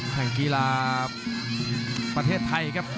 แข่งกีฬาประเทศไทยครับ